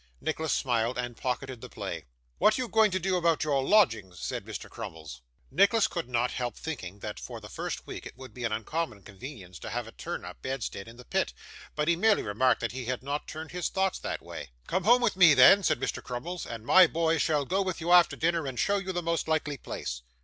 Nicholas smiled and pocketed the play. 'What are you going to do about your lodgings?' said Mr. Crummles. Nicholas could not help thinking that, for the first week, it would be an uncommon convenience to have a turn up bedstead in the pit, but he merely remarked that he had not turned his thoughts that way. 'Come home with me then,' said Mr. Crummles, 'and my boys shall go with you after dinner, and show you the most likely place.